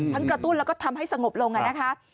กระตุ้นแล้วก็ทำให้สงบลงนะคะ